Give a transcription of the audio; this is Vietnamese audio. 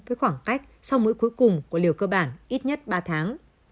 với khoảng cách sau mũi cuối cùng của liều cơ bản ít nhất ba tháng